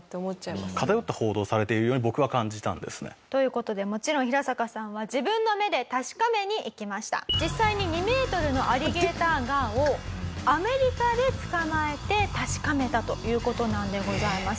偏った報道をされているように僕は感じたんですね。という事でもちろんヒラサカさんは実際に２メートルのアリゲーターガーをアメリカで捕まえて確かめたという事なんでございます。